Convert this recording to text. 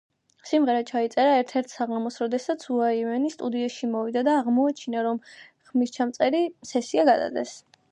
სიმღერა ჩაიწერა ერთ-ერთ საღამოს, როდესაც უაიმენი სტუდიაში მოვიდა და აღმოაჩინა, რომ ხმისჩამწერი სესია გადადეს.